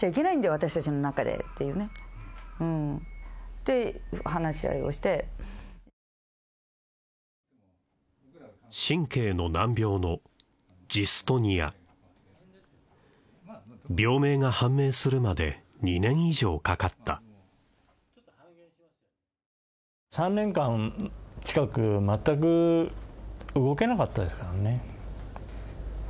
私達の中でっていうねて話し合いをして神経の難病のジストニア病名が判明するまで２年以上かかった３年間近く全く動けなかったですからね